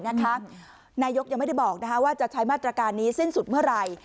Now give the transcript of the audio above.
นายกยังไม่ได้บอกว่าจะใช้มาตรการนี้สิ้นสุดเมื่อไหร่